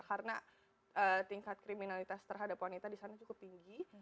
karena tingkat kriminalitas terhadap wanita disana cukup tinggi